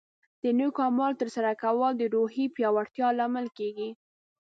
د نیکو اعمالو ترسره کول د روحیې پیاوړتیا لامل کیږي.